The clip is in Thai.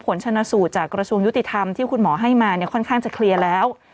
ผลชนะสูตรจากกระทรวงยุติธรรมที่คุณหมอให้มาเนี่ยค่อนข้างจะเคลียร์แล้ว